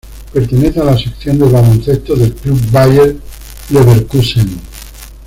Pertenece a la sección de baloncesto del club Bayer Leverkusen.